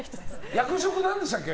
役職は何でしたっけ？